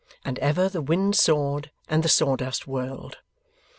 And ever the wind sawed, and the sawdust whirled.